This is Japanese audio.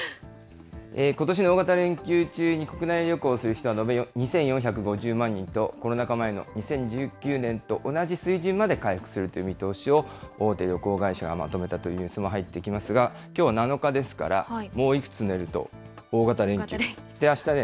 ことしの大型連休中に国内旅行をする人は延べ２４５０万人と、コロナ禍前の２０１９年と同じ水準まで回復するという見通しを、大手旅行会社がまとめたというニュースも入ってきますが、きょうは７日ですから、もういくつ寝ると大型連休。